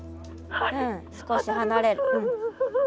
うん少し離れる。